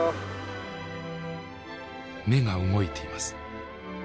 目が動いています。